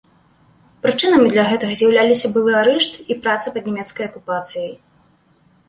Прычынамі для гэтага з'яўляліся былы арышт і праца пад нямецкай акупацыяй.